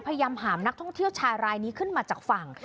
พยายามหามนักท่องเที่ยวชายรายนี้ขึ้นมาจากฝั่ง